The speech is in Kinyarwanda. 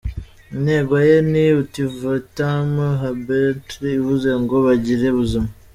Intego ye ni “Ut vitam habeant” bivuze ngo ‘Bagire ubuzima’